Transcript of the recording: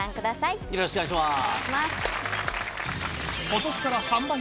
よろしくお願いします。